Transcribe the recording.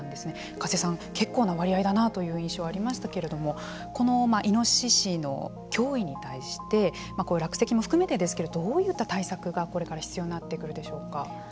加瀬さん、結構な割合だなという印象がありましたけれどもこのイノシシの脅威に対して落石も含めてですけれどもどういった対策がこれから必要になってくるでしょうか。